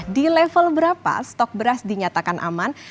di level berapa stok beras dinyatakan aman